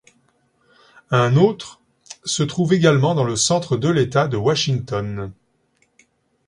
Un autre ' se trouve également dans le centre de l'État de Washington.